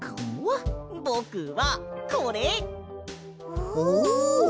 おお！